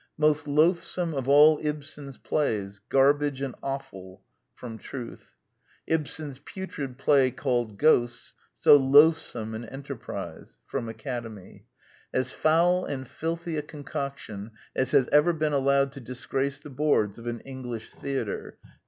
" Most loathsome of all Ibsen's plays. ... Garbage and offal." Truth. " Ibsen's putrid play called Ghosts. ... So loathsome an enterprise." Academy. "As foul and filthy a concoction as has ever been allowed to disgrace the boards df an English theatre.